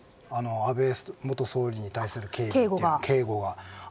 安倍元総理に対する警護は。